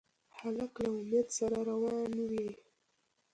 هلک له امید سره روان وي.